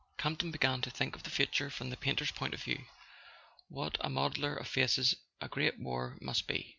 Campton began to think of the future from the painter's point of view. What a modeller of faces a great war must be!